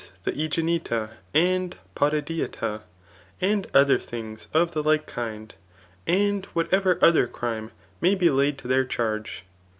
the AeginetsB and PotidosateB ; and other diinga of the like kind, and whatever other crime may be laid to thar charge.